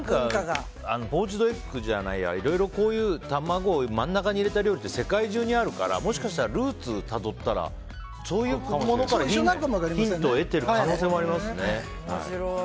でも、いろいろ、卵を真ん中に入れた料理って世界中にあるからもしかしたらルーツたどったらそういうものからヒントを得ている可能性もありますね。